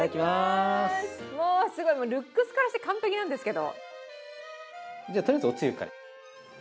ルックスからして完璧なんですけど。